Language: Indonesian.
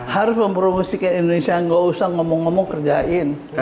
harus mempromosikan indonesia nggak usah ngomong ngomong kerjain